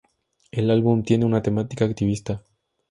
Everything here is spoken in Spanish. El álbum tiene una temática activista.